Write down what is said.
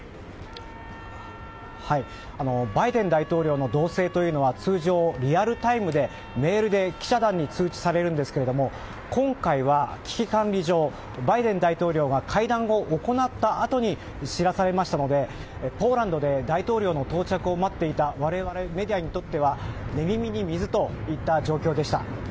バイデン大統領の動静は通常リアルタイムでメールで記者団に通知されるんですが今回は危機管理上バイデン大統領が会談を行ったあとに知らされましたのでポーランドで大統領の到着を待っていた我々メディアにとっては寝耳に水といった状況でした。